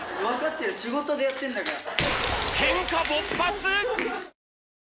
分かってる仕事でやってんだから。